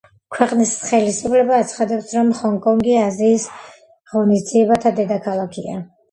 ქვეყნის ხელისუფლება აცხადებს, რომ ჰონგ-კონგი აზიის ღონისძიებათა დედაქალაქია.